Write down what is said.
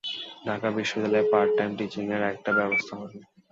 ঢাকা বিশ্ববিদ্যালয়ে part time টীচিং-এর একটা ব্যবস্থা হল।